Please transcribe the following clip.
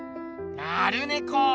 なるネコー。